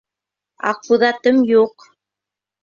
Аҡбуҙатым юҡ!